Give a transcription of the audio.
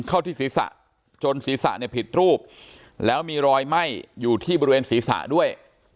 เข้าที่ศีรษะจนศีรษะเนี่ยผิดรูปแล้วมีรอยไหม้อยู่ที่บริเวณศีรษะด้วย